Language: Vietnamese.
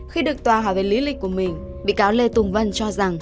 khi được tòa hỏi về lý lịch của mình bị cáo lê tùng vân cho rằng